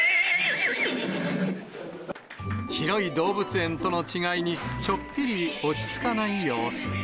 広い動物園との違いに、ちょっぴり落ち着かない様子。